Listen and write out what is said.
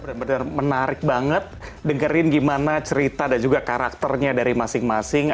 benar benar menarik banget dengerin gimana cerita dan juga karakternya dari masing masing